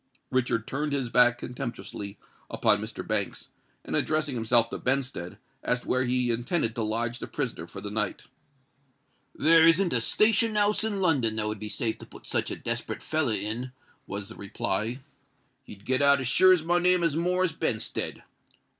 Richard turned his back contemptuously upon Mr. Banks, and, addressing himself to Benstead, asked where he intended to lodge the prisoner for the night. "There isn't a station house in London that would be safe to put such a desperate feller in," was the reply. "He'd get out as sure as my name is Morris Benstead.